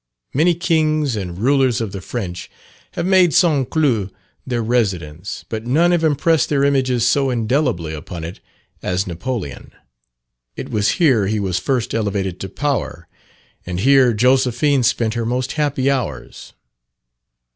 Many kings and rulers of the French have made St. Cloud their residence, but none have impressed their images so indelibly upon it as Napoleon. It was here he was first elevated to power, and here Josephine spent her most happy hours.